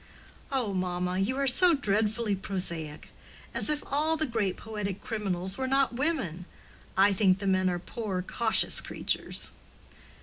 "Oh, mamma, you are so dreadfully prosaic! As if all the great poetic criminals were not women! I think the men are poor cautious creatures."